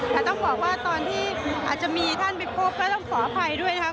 แต่ต้องบอกว่าตอนที่อาจจะมีท่านไปพบก็ต้องขออภัยด้วยนะคะ